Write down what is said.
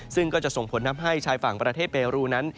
ซึ่งก็จะส่งผลทำให้ชายฝั่งประเทศเปรูนั้น